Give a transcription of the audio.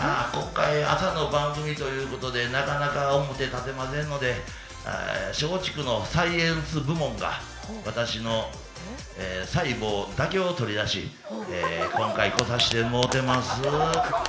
朝の番組ということでなかなか表に立てませんので松竹のサイエンス部門が私の細胞だけを取り出し、今回、来させてもろうてます。